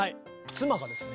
妻がですね